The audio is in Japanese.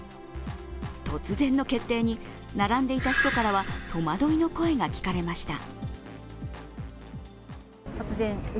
突然の決定に、並んでいた人からは戸惑いの声が聞かれました。